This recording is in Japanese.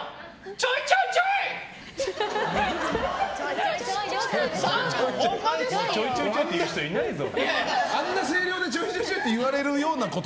ちょいちょいちょいって言う人いないぞ。